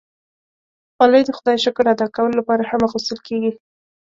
خولۍ د خدای شکر ادا کولو لپاره هم اغوستل کېږي.